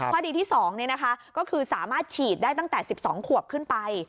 ข้อดีที่๒ก็คือสามารถฉีดได้ตั้งแต่๑๒ขวบขึ้นไป